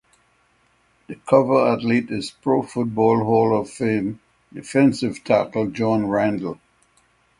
The cover athlete is Pro Football Hall of Fame defensive tackle John Randle.